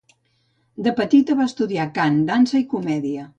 De petita va estudiar cant, dansa i comèdia.